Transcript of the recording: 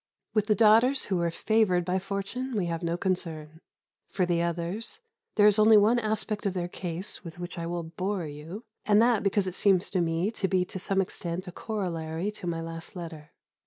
With the daughters who are favoured by Fortune we have no concern. For the others, there is only one aspect of their case with which I will bore you, and that because it seems to me to be to some extent a corollary to my last letter.